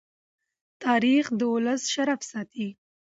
تاریخ د ولس شرف ساتي.